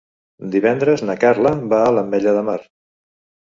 Divendres na Carla va a l'Ametlla de Mar.